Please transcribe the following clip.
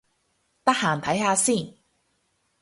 得閒睇下先